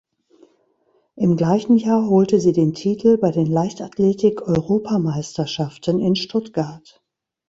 Im gleichen Jahr holte sie den Titel bei den Leichtathletik-Europameisterschaften in Stuttgart.